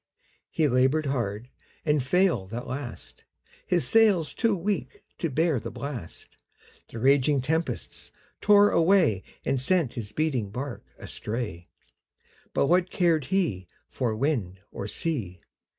He labored hard and failed at last, His sails too weak to bear the blast, The raging tempests tore away And sent his beating bark astray. But what cared he For wind or sea!